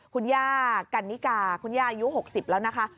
คุณย่ากันนิกาคุณย่าอายุ๖๐แล้วนะคะ